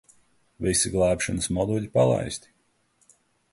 Visi glābšanas moduļi palaisti.